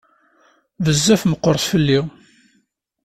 Bezzaf meqqret fell-i.